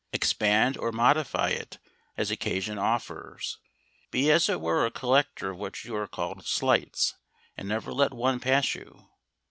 Expand or modify it as occasion offers. Be as it were a collector of what are called "slights," and never let one pass you.